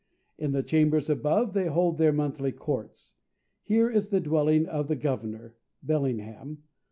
In the chambers above they hold their monthly courts. Here is the dwelling of the Governor (Bellingham).